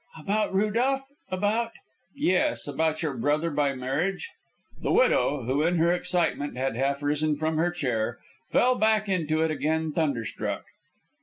"About Rudolph? About " "Yes, about your brother by marriage." The widow, who in her excitement had half risen from her chair, fell back into it again thunderstruck.